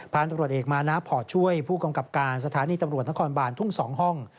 ตำรวจเอกมานะพอช่วยผู้กำกับการสถานีตำรวจนครบานทุ่ง๒ห้อง